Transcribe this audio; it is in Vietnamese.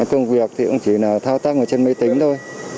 công việc thì cũng chỉ là thao tác ở trên máy tính thôi